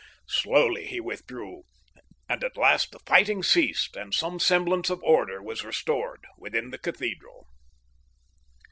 Slowly he withdrew, and at last the fighting ceased and some semblance of order was restored within the cathedral.